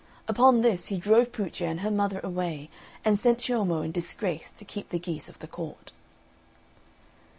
Upon this he drove Puccia and her mother away, and sent Ciommo in disgrace to keep the geese of the court.